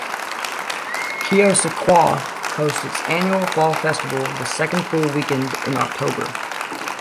Keosauqua hosts its annual Fall Festival the second full weekend in October.